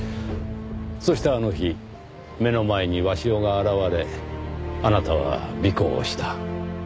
そしてあの日目の前に鷲尾が現れあなたは尾行をした。